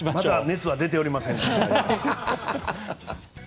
まだ熱は出ておりません。